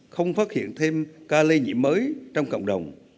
không phát hiện thêm ca lây nhiễm mới trong cộng đồng